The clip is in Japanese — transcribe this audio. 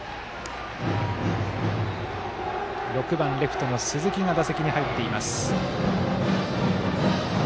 ６番レフトの鈴木が打席に入っています。